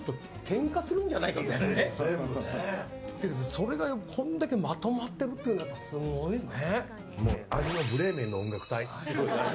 それがこれだけまとまってるっていうのはすごいですね。